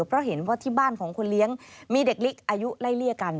เพราะเห็นว่าที่บ้านของคนเลี้ยงมีเด็กเล็กอายุไล่เลี่ยกัน